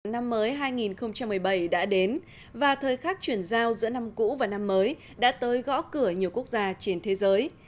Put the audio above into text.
năm mới hai nghìn một mươi bảy đã đến và thời khắc chuyển giao giữa năm cũ và năm mới đã tới gõ cửa nhiều quốc gia trên thế giới